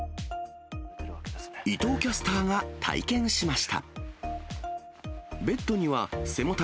伊藤キャスターが体験しました。